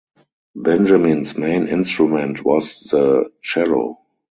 Benjamin's main instrument was the cello.